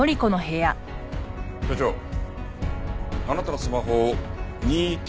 所長あなたのスマホを任意提出してください。